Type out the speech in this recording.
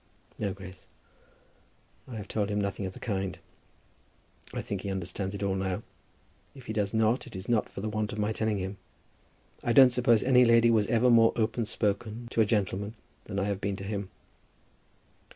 "No, Grace. I have told him nothing of the kind. I think he understands it all now. If he does not, it is not for the want of my telling him. I don't suppose any lady was ever more open spoken to a gentleman than I have been to him."